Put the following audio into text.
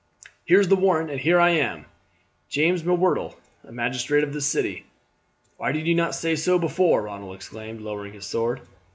"Here is the warrant, and here am I, James M'Whirtle, a magistrate of this city." "Why did you not say so before?" Ronald exclaimed, lowering his sword.